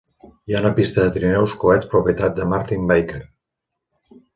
Hi ha una pista de trineus coet propietat de Martin-Baker.